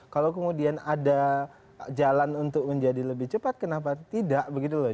kalau kemudian ada jalan untuk menjadi lebih cepat kenapa tidak begitu loh